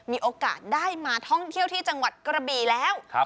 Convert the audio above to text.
มีโอกาสได้มาท่องเที่ยวที่จังหวัดกระบี่แล้ว